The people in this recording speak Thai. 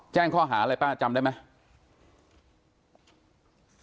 แจ้งข้อหาอะไรป้าจำได้ไหม